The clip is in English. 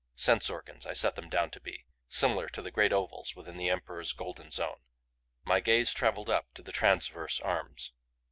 Sense organs I set them down to be similar to the great ovals within the Emperor's golden zone. My gaze traveled up to the transverse arms.